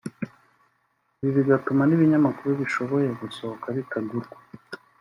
ibi bigatuma n’ibinyamakuru bishoboye gusohoka bitagurwa